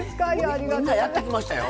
みんなやってきましたよ。